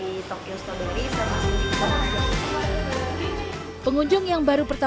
pengunjung yang baru pertama kali menikmati tempat makan di jepang ini juga bisa menjual dua ratus porsi per hari